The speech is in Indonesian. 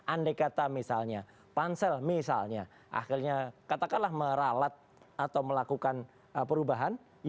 andai kata misalnya pansel misalnya akhirnya katakanlah meralat atau melakukan perubahan